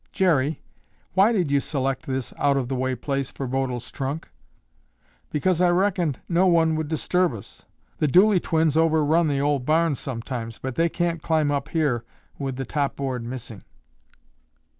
"Jerry, why did you select this out of the way place for Bodil's trunk?" "Because I reckoned no one would disturb us. The Dooley twins overrun the old barn sometimes but they can't climb up here with the top board missing."